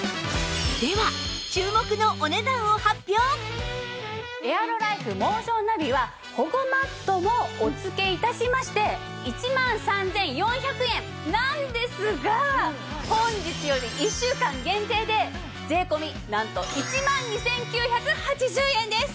では注目のエアロライフモーションナビは保護マットもお付け致しまして１万３４００円なんですが本日より１週間限定で税込なんと１万２９８０円です。